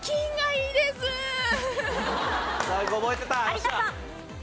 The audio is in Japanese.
有田さん。